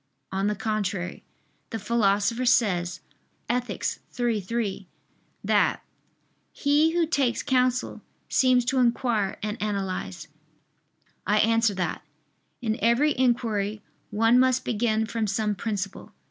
On the contrary, The Philosopher says (Ethic. iii, 3) that "he who takes counsel seems to inquire and analyze." I answer that, In every inquiry one must begin from some principle.